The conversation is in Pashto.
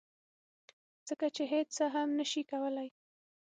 ځکه چې هیڅ څه هم نشي کولی